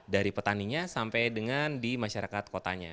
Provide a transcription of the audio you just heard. dari petaninya sampai dengan di masyarakat kotanya